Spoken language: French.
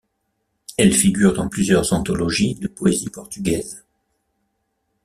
Elle figure dans plusieurs anthologies de poésie portugaise.